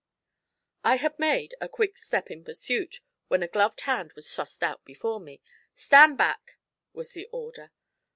I had made a quick step in pursuit, when a gloved hand was thrust out before me. 'Stand back!' was the order.